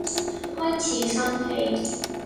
開始生氣